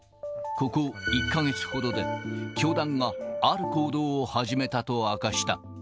ここ１か月ほどで、教団がある行動を始めたと明かした。